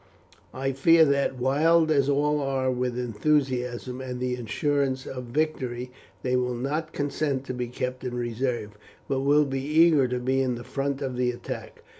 I fear that, wild as all are with enthusiasm and the assurance of victory, they will not consent to be kept in reserve, but will be eager to be in the front of the attack.